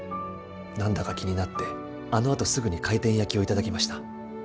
何だか気になってあのあとすぐに回転焼きを頂きました。